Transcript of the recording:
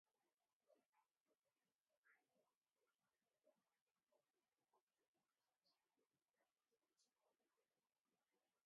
Premature varieties take lesser fertilizer.